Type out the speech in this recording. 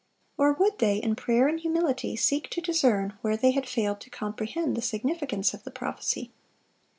or would they, in prayer and humility, seek to discern where they had failed to comprehend the significance of the prophecy?